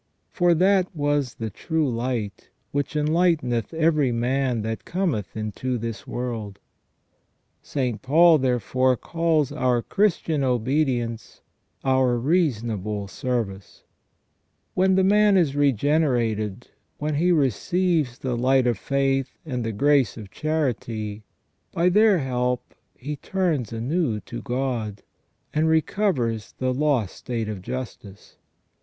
For "that was the true light, which enlighteneth every man that cometh into this world ". St. Paul therefore calls our Christian obedience our " reasonable service ". When the man is regenerated, when he receives the light of faith and the grace of charity, by their help he turns anew to God, and recovers the lost state of justice.